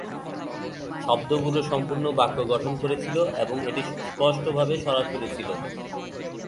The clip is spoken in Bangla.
শব্দগুলি সম্পূর্ণ বাক্য গঠন করেছিল এবং এটি স্পষ্টভাবে সরাসরি ছিল।